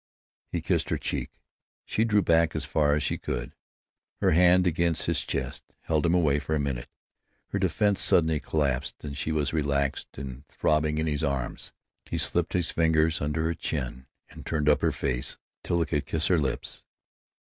He kissed her cheek. She drew back as far as she could. Her hand, against his chest, held him away for a minute. Her defense suddenly collapsed, and she was relaxed and throbbing in his arms. He slipped his fingers under her chin, and turned up her face till he could kiss her lips.